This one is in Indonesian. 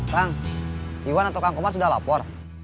kang iwan atau kang umar sudah lapor